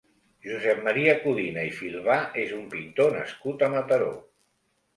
Josep Maria Codina i Filbà és un pintor nascut a Mataró.